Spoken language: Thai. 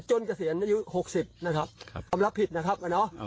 จนเกษียณอนาคม๖๐นะครับ